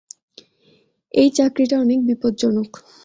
এই চাকরিটা অনেক বিপজ্জনক।